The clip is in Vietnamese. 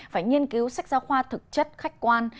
phải nghiên cứu sách giáo khoa thực chất khách quan